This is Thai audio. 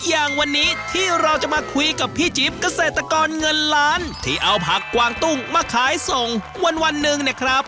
อย่างวันนี้ที่เราจะมาคุยกับพี่จิ๊บเกษตรกรเงินล้านที่เอาผักกวางตุ้งมาขายส่งวันวันหนึ่งเนี่ยครับ